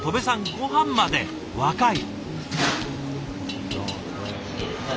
ごはんまで若い。